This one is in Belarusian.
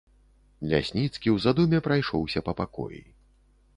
Лясніцкі ў задуме прайшоўся па пакоі.